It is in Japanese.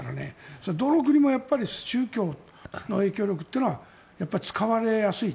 それはどの国も宗教の影響力というのはやっぱり使われやすい。